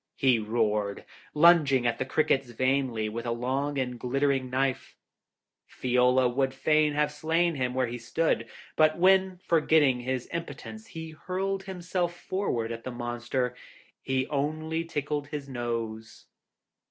he roared, lunging at the crickets vainly with a long and glittering knife. Fiola would fain have slain him where he stood, but when, forgetting his impotence, he hurled himself forward at the monster, he only tickled his nose.